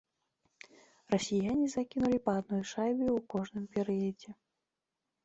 Расіяне закінулі па адной шайбе ў кожным перыядзе.